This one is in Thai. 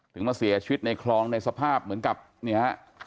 มาเสียชีวิตในคลองในสภาพเหมือนกับเนี่ยฮะ